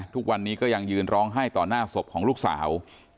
ทุกวันนี้ก็ยังยืนร้องไห้ต่อหน้าศพของลูกสาว